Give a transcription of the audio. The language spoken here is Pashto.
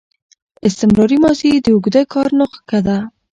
استمراري ماضي د اوږده کار نخښه ده.